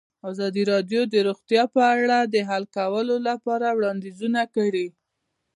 ازادي راډیو د روغتیا په اړه د حل کولو لپاره وړاندیزونه کړي.